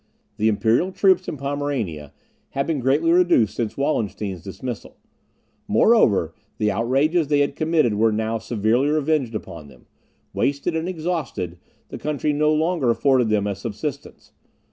The imperial troops in Pomerania had been greatly reduced since Wallenstein's dismissal; moreover, the outrages they had committed were now severely revenged upon them; wasted and exhausted, the country no longer afforded them a subsistence.